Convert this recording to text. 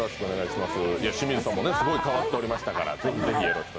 清水さんもすごい変わっておりましたから。